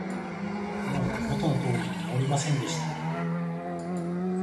もう元の通りに直りませんでした